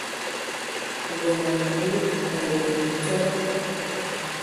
Wuro man, boo gaylooji corok.